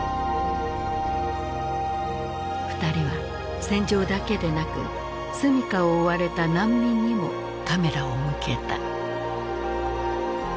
２人は戦場だけでなく住みかを追われた難民にもカメラを向けた。